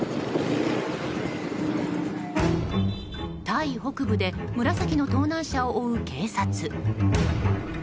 タイ北部で紫の盗難車を追う警察。